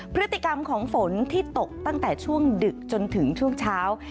พฤติกรรมของฝนที่ตกตั้งแต่ช่วงดึกจนถึงช่วงเช้า